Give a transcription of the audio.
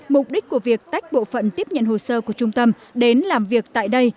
mục đích của việc tách bộ phận tiếp nhận hồ sơ của trung tâm đến làm việc tại đây